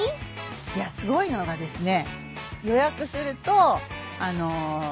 いやすごいのがですね。